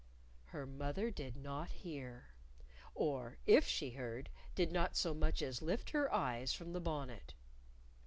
_" Her mother did not hear. Or, if she heard, did not so much as lift her eyes from the bonnet.